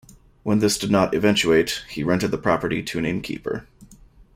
When this did not eventuate, he rented the property to an innkeeper.